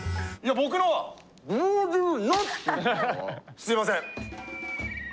すいません。